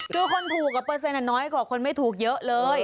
คือคนถูกเปอร์เซ็นต์น้อยกว่าคนไม่ถูกเยอะเลย